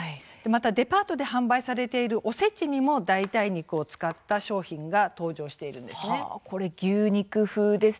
デパートで販売されているおせちにも代替肉を使った商品が登場しているんです。